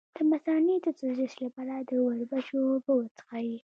د مثانې د سوزش لپاره د وربشو اوبه وڅښئ